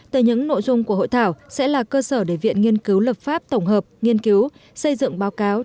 từ những nội dung của hội thảo sẽ là cơ sở để viện nghiên cứu lập pháp tổng hợp nghiên cứu xây dựng báo cáo